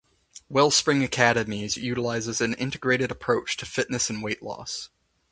Wellspring Academies utilizes an integrated approach to fitness and weight loss.